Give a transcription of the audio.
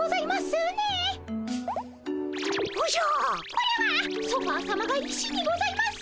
これはソファーさまが石にございます。